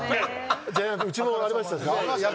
ジャイアンツうちもありました。